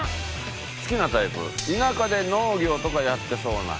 「好きなタイプ田舎で農業とかやっていそうな人」